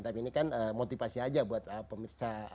tapi ini kan motivasi aja buat pemirsa